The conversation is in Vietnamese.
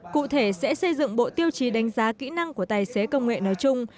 cụ thể sẽ xây dựng bộ tiêu chí đánh giá kỹ năng của tài xế công nghệ nói chung